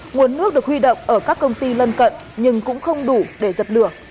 nguồn nước được huy động ở các công ty lân cận nhưng cũng không đủ để dập lửa